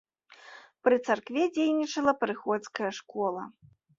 Пры царкве дзейнічала прыходская школа.